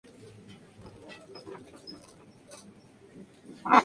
Se requirió de ocho puntos para cerrar la herida que dejó este incidente.